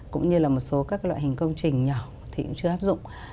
cũng như là một số các loại hình công trình nhỏ thì cũng chưa áp dụng